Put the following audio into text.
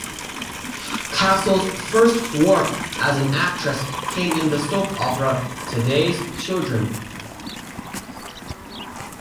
Castle's first work as an actress came in the soap opera "Today's Children".